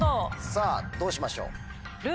さぁどうしましょう。